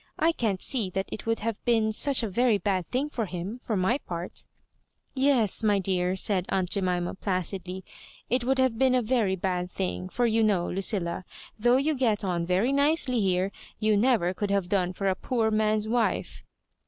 I can't see that it would have been such a very bad thing for him, for my part" " Yes, my dear," said aunt Jemima, placidly, " it would have been a very bad thing ; for you know, Lucilla, though you get on very nicely here, you never oould have done for a poor man's wife."